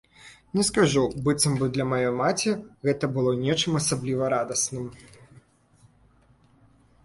Не скажу, быццам бы для маёй маці гэта было нечым асабліва радасным.